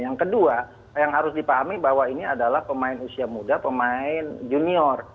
yang kedua yang harus dipahami bahwa ini adalah pemain usia muda pemain junior